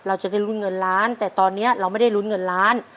เราจะได้ลุ้นเงินล้านแต่ตอนนี้เราไม่ได้ลุ้นเงินล้าน